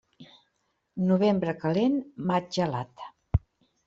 Novembre calent, maig gelat.